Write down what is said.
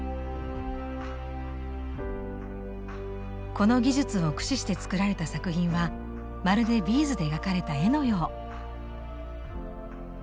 この技術を駆使して作られた作品はまるでビーズで描かれた絵のよう。